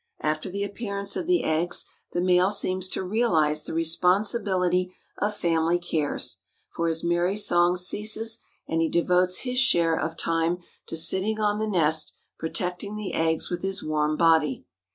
After the appearance of the eggs the male seems to realize the responsibility of family cares, for his merry song ceases and he devotes his share of time to sitting on the nest, protecting the eggs with his warm body.